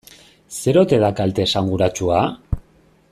Zer ote da kalte esanguratsua?